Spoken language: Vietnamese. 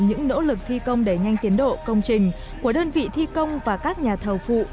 những nỗ lực thi công đẩy nhanh tiến độ công trình của đơn vị thi công và các nhà thầu phụ